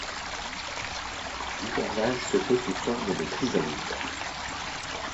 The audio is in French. L'hivernage se fait sous forme de chrysalide.